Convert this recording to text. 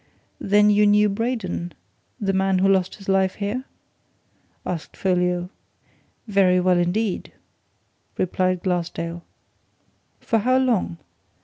"Then you knew Braden the man who lost his life here?" asked Folliot. "Very well indeed," replied Glassdale. "For how long?"